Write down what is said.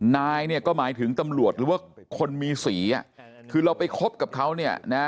นายเนี่ยก็หมายถึงตำรวจหรือว่าคนมีสีคือเราไปคบกับเขาเนี่ยนะ